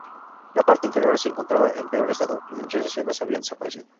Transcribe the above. La parte inferior se encontraba en peor estado, y muchas escenas habían desaparecido.